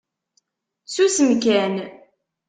Susem kan.